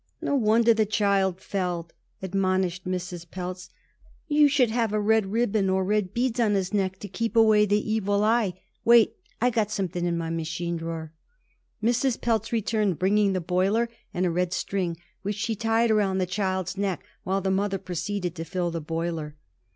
"No wonder the child fell," admonished Mrs. Pelz. "You should have a red ribbon or red beads on his neck to keep away the evil eye. Wait. I got something in my machine drawer." Mrs. Pelz returned, bringing the boiler and a red string, which she tied about the child's neck while the mother proceeded to fill the boiler.